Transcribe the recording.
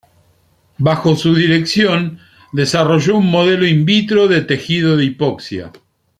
Bajo su dirección desarrolló un modelo in vitro de tejido de hipoxia.